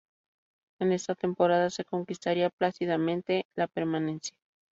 En esta temporada se conquistaría plácidamente la permanencia.